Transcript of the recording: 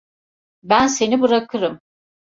Ben seni bırakırım.